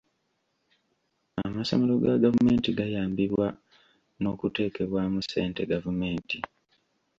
Amasomero ga gavumenti gayambibwa n'okuteekebwamu ssente gavumenti.